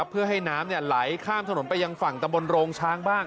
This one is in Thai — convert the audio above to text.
เพื่อให้น้ำไหลข้ามถนนไปยังฝั่งตะบนโรงช้างบ้าง